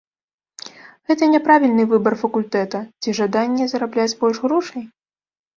Гэта няправільны выбар факультэта, ці жаданне зарабляць больш грошай?